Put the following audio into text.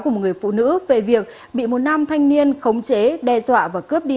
của một người phụ nữ về việc bị một nam thanh niên khống chế đe dọa và cướp đi